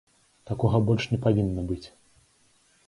Такога больш не павінна быць.